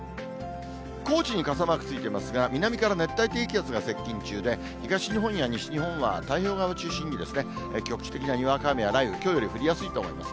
高知に傘マークついてますが、南から熱帯低気圧が接近中で、東日本や西日本は太平洋側を中心に局地的なにわか雨や雷雨、きょうより降りやすいと思います。